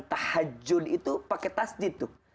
tahajud itu pakai tasjid tuh